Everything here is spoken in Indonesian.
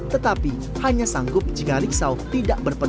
tetapi hanya sanggup jika riksa tidak berperan